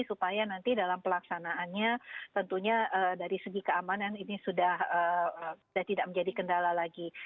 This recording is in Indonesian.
supaya nanti dalam pelaksanaannya tentunya dari segi keamanan ini sudah tidak menjadi kendala lagi